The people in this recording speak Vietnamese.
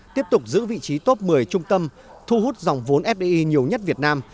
tiếp tục giữ vị trí top một mươi trung tâm thu hút dòng vốn fdi nhiều nhất việt nam